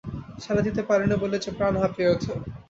সাড়া দিতে পারি নে বলে যে প্রাণ হাঁপিয়ে ওঠে।